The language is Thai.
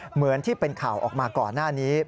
เหมือนที่เป็นข่าวออกมาก่อนหน้านี้